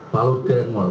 palu grand mall